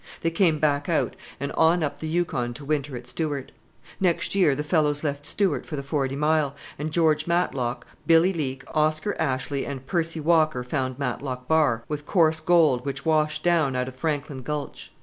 They came back out, and on up the Yukon to winter at Stewart. Next year the fellows left Stewart for the Forty Mile, and George Matlock, Billy Leak, Oscar Ashley, and Percy Walker found Matlock Bar, with coarse gold, which washed down out of Franklin Gulch.